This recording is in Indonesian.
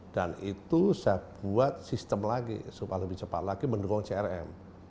dan itu saya buat sistem lagi supaya lebih cepat lagi mendukung crm